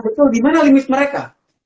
betul dimana limit mereka